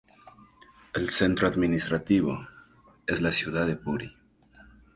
El centro administrativo es la ciudad de Puri.